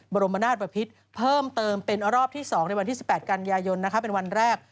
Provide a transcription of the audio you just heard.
บรมนาศบพิษเพิ่มเติมเป็นรอบที่๒ในวันที่๑๘กันยายนเป็นวันแรก